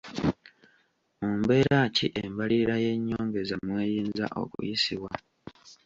Mu mbeera ki embalirira y'ennyongeza mw'eyinza okuyisibwa?